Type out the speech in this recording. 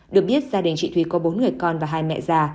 được biết gia đình chị thúy có bốn người con và hai mẹ già